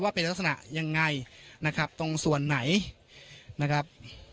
เป็นลักษณะยังไงนะครับตรงส่วนไหนนะครับ